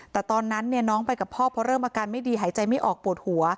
แต่ตอนนั้นน้องไปกับพ่อเพราะเริ่มอาการไม่ดีหายใจไม่ออกปวดหัว